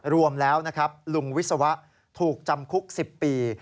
รวมแล้วลุงวิศวะถูกจำคุก๑๐ปี